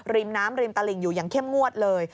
ริมน้ำริมตลิ่งอยู่อย่างเข้มงวดเลย